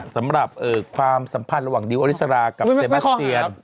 สำหรับความสัมพันธ์ระหว่างดิวอริสรากับเซมัสเตียน